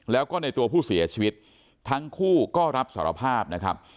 แล้วก็ในตัวผู้เสียชีวิตทั้งคู่ก็รับสารภาพนะครับ